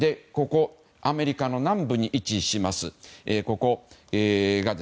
アメリカの南部に位置します。